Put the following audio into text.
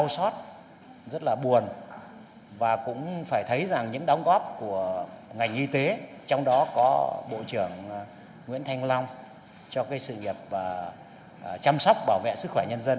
có bộ trưởng nguyễn thanh long cho cái sự nghiệp chăm sóc bảo vệ sức khỏe nhân dân